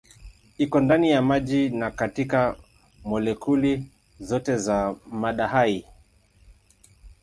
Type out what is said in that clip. Iko ndani ya maji na katika molekuli zote za mada hai.